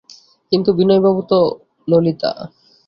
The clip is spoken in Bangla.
কিন্তু বিনয়বাবু তো– ললিতা।